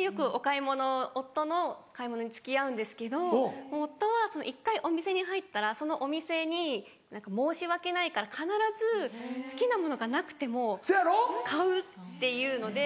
よくお買い物夫の買い物に付き合うんですけど夫は１回お店に入ったらそのお店に申し訳ないから必ず好きなものがなくても買うっていうので。